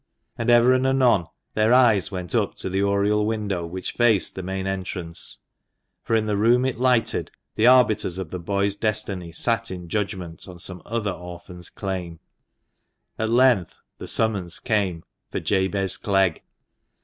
And ever and anon their eyes went up to the oriel window which faced the main entrance, for in the room it lighted the arbiters of the boy's destiny sat in judgment on some other orphan's claim. At length the summons came for "Jabez Clegg."